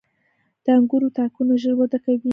• د انګورو تاکونه ژر وده کوي.